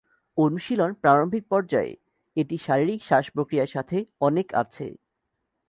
অনুশীলন প্রারম্ভিক পর্যায়ে, এটি শারীরিক শ্বাস প্রক্রিয়ার সাথে অনেক আছে।